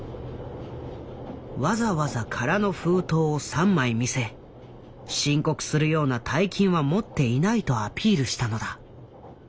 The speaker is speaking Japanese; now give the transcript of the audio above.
わざわざ空の封筒を３枚見せ申告するような大金は持っていないとアピールしたのだ。